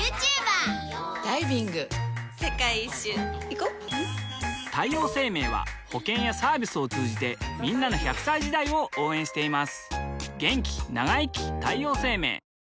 女性 ２） 世界一周いこ太陽生命は保険やサービスを通じてんなの１００歳時代を応援しています